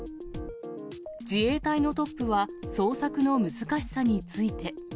自衛隊のトップは捜索の難しさについて。